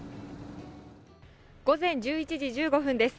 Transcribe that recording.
午前１１時１５分です。